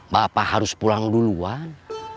bapak harus pulang duluan